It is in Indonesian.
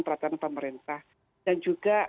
peraturan pemerintah dan juga